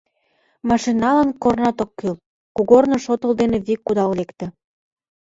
Машиналан корнат ок кӱл — кугорныш отыл дене вик кудал лекте.